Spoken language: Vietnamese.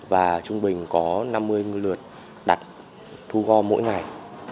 và trung bình có năm mươi lượt đặt thu gom mỗi ngày